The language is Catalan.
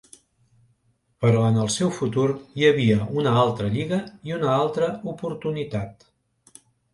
Però en el seu futur hi havia una altra lliga i una altra oportunitat.